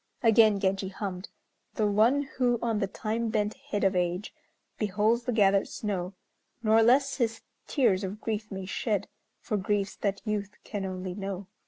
Again Genji hummed: "The one who on the time bent head of age, Beholds the gathered snow, Nor less his tears of grief may shed, For griefs that youth can only know."